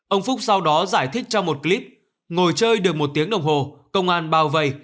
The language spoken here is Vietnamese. ông phúc sau đó giải thích cho một clip ngồi chơi được một tiếng đồng hồ công an bao vây